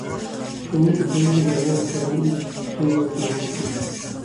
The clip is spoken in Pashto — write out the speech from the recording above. ښوونکی په ټولنه کې د رڼا د خپروونکي په توګه پېژندل کېږي.